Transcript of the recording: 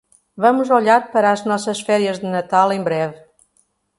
Vamos olhar para as nossas férias de Natal em breve.